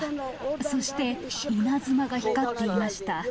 そして稲妻が光っていました。